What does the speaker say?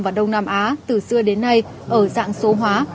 và đông nam á từ xưa đến nay ở dạng số hóa